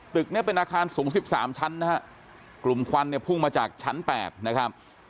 เนี่ยเป็นอาคารสูง๑๓ชั้นนะฮะกลุ่มควันเนี่ยพุ่งมาจากชั้น๘นะครับ